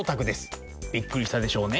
びっくりしたでしょうね。